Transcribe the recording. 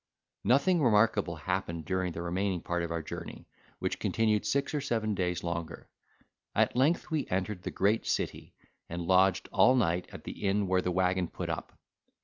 Nothing remarkable happened during the remaining part of our journey, which continued six or seven days longer: at length we entered the great city, and lodged all night at the inn where the waggon put up.